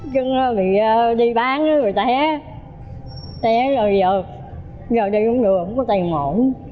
chân bị đi bán rồi té té rồi giờ đi không được không có tài nguộn